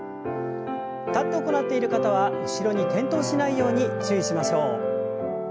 立って行っている方は後ろに転倒しないように注意しましょう。